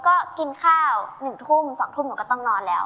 ก็กินข้าว๑ทุ่ม๒ทุ่มหนูก็ต้องนอนแล้ว